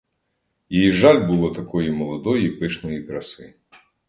Їй жаль було такої молодої пишної краси.